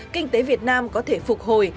kinh tế việt nam có thể phục hồi